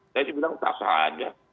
saya sih bilang tak sah aja